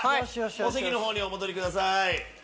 お席のほうにお戻りください。